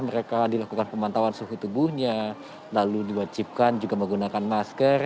mereka dilakukan pemantauan suhu tubuhnya lalu diwajibkan juga menggunakan masker